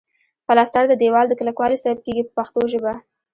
پلستر د دېوال د کلکوالي سبب کیږي په پښتو ژبه.